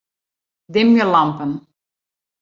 Dimje lampen.